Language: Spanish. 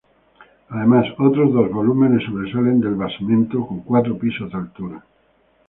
Además, otros dos volúmenes sobresalen del basamento, con cuatro pisos de altura.